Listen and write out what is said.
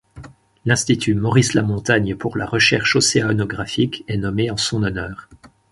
L'Institut Maurice-Lamontagne pour la recherche océanographique est nommé en son honneur.